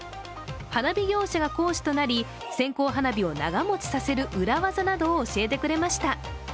花火業者が講師となり、線香花火を長もちさせる裏技などを教えてくれました。